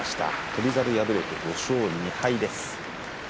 翔猿敗れて５勝２敗です。